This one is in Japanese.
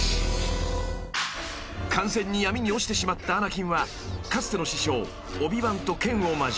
［完全に闇に落ちてしまったアナキンはかつての師匠オビ＝ワンと剣を交えます］